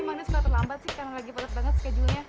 emangnya setelah terlambat sih karena lagi pelet banget schedule nya